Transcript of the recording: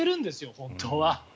本当は。